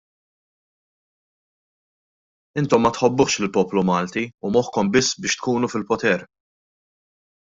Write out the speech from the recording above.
Intom ma tħobbuhx lill-poplu Malti u moħħkom biss biex tkunu fil-poter!